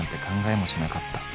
考えもしなかった］